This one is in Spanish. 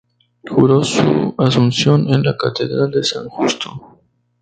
Juró su asunción en la Catedral de San Justo.